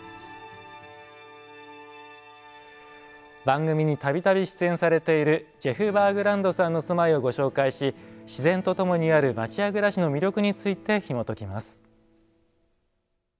番組に度々出演されているジェフ・バーグランドさんの住まいをご紹介し自然と共にある町家暮らしの魅力についてひもときます。